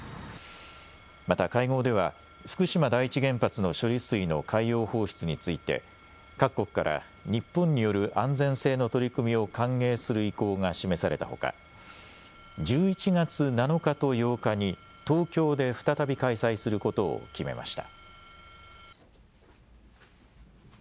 また会合では福島第一原発の処理水の海洋放出について各国から日本による安全性の取り組みを歓迎する意向が示されたほか１１月７日と８日に東京で再び開催することを決めました。